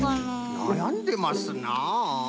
なやんでますな。